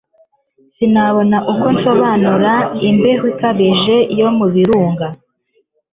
Sinabona uko nsobanura imbeho ikabije yo mu birunga,